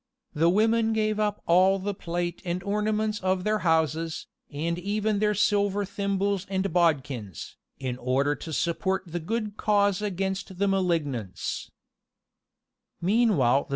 The women gave up all the plate and ornaments of their houses, and even their silver thimbles and bodkins, "in order to support the good cause against the malignants."